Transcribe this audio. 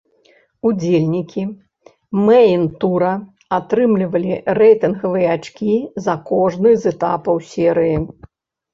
Удзельнікі мэйн-тура атрымлівалі рэйтынгавыя ачкі за кожны з этапаў серыі.